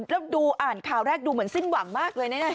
แล้วดูอ่านข่าวแรกดูเหมือนสิ้นหวังมากเลยแน่